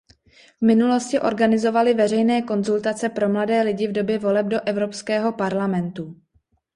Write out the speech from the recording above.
V minulosti organizovali veřejné konzultace pro mladé lidi v době voleb do Evropského Parlamentu.